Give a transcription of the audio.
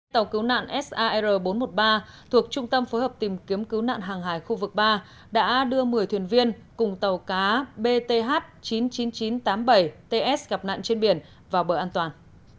tàu cứu nạn sar bốn trăm một mươi ba thuộc trung tâm phối hợp tìm kiếm cứu nạn hàng hải khu vực ba đã đưa một mươi thuyền viên cùng tàu cá bth chín mươi chín nghìn chín trăm tám mươi bảy ts gặp nạn trên biển vào bờ an toàn